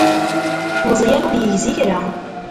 Meẓyan ur yegzi kra.